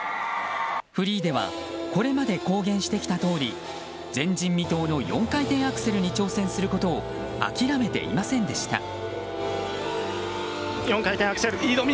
フリーではこれまで公言してきたとおり前人未到の４回転アクセルに挑戦することを諦めていませんでした。